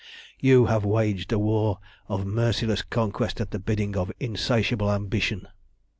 "You have waged a war of merciless conquest at the bidding of insatiable ambition.